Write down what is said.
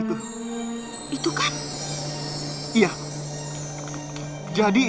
kalau kamu lord